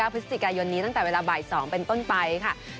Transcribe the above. พฤศจิกายนนี้ตั้งแต่เวลาบ่าย๒เป็นต้นไปค่ะ